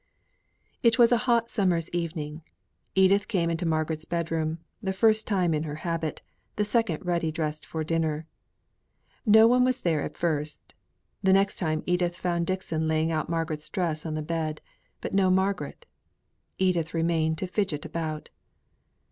It was a hot summer's evening. Edith came into Margaret's bed room, the first time in her habit, the second ready dressed for dinner. No one was there at first; the next time Edith found Dixon laying out Margaret's dress on the bed; but no Margaret. Edith remained to fidget about.